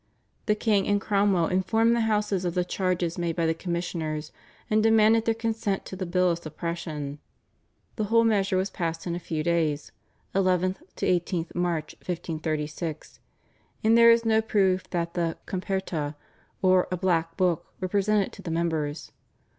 The king and Cromwell informed the Houses of the charges made by the commissioners, and demanded their consent to the bill of suppression. The whole measure was passed in a few days (11th to 18th March, 1536) and there is no proof that the /Comperta/ or a "Black Book" were presented to the members.